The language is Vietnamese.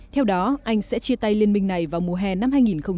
theo đó anh sẽ chia tay liên minh này vào mùa hè năm hai nghìn một mươi chín